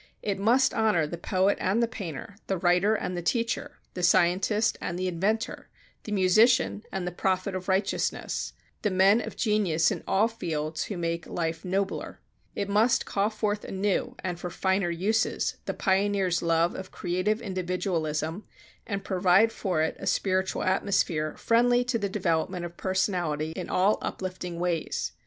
It must honor the poet and painter, the writer and the teacher, the scientist and the inventor, the musician and the prophet of righteousness the men of genius in all fields who make life nobler. It must call forth anew, and for finer uses, the pioneer's love of creative individualism and provide for it a spiritual atmosphere friendly to the development of personality in all uplifting ways.